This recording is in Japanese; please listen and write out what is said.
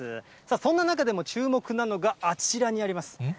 そんな中でも注目なのがあちらにあります。